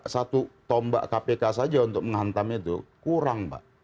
satu tombak kpk saja untuk menghantam itu kurang pak